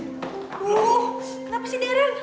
aduh kenapa sih darren